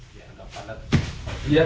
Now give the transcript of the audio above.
biar agak padat